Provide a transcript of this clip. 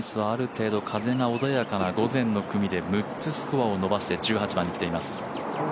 ある程度風が穏やかな午前の組で、３つスコアを伸ばして１８番に来ています。